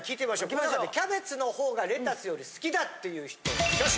この中でキャベツの方がレタスより好きだっていう人挙手！